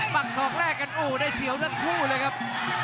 ปักศอกแรกกันโอ้ได้เสียวทั้งคู่เลยครับ